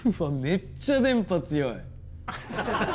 めっちゃ電波強い！